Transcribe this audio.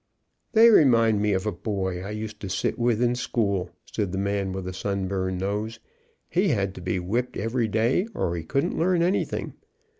"They remind me of a boy I used to sit with in school," said the man with the sunburned nose. "He had to be whipped every day, or he couldn't learn anything.